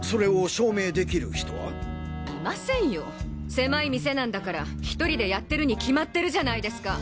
狭い店なんだから１人でやってるに決まってるじゃないですか。